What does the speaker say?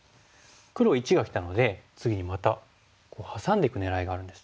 黒①がきたので次にまたハサんでいく狙いがあるんです。